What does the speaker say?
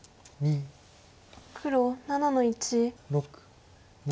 黒７の一。